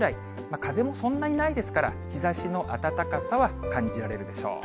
風もそんなにないですから、日ざしの暖かさは感じられるでしょう。